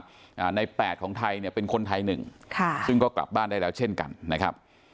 อ่าในแปดของไทยเนี่ยเป็นคนไทยหนึ่งค่ะซึ่งก็กลับบ้านได้แล้วเช่นกันนะครับ